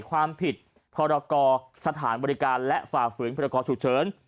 ความผิดพรกรสถานบริการและฝ่าฝืนพรกรฉุกเฉิน